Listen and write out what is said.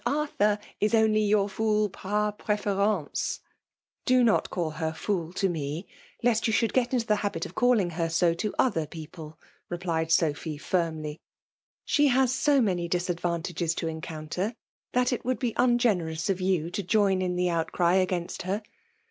Arthur in only your fool par prifirenee,*' ^ ^'Do not call her fool to me, lest you should get into the habit of calling her so to other peoptei" replied Sophy firmly. " She has so many disadvantages to encounter, that it would be ungenerous of you to join in the outcry against her.